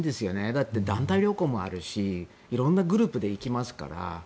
だって、団体旅行もあるし色んなグループで行きますから。